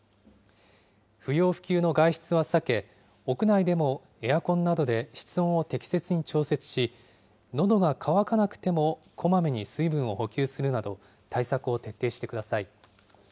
不要不急の外出は避け、屋内でもエアコンなどで室温を適切に調節し、のどが渇かなくても、こまめに水分を補給するなど、対策を徹底してください。